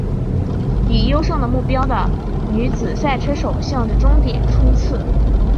以优胜为目标的女子赛车手向着终点冲刺！